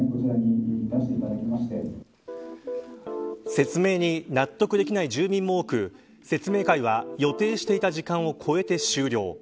説明に納得できない住民も多く説明会は予定していた時間を超えて終了。